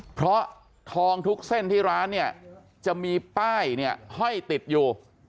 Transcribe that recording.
เพราะทองทุกเส้นที่ร้านจะมีป้ายห้อยติดอยู่